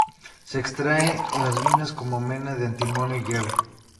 Se extrae en las minas como mena de antimonio y hierro.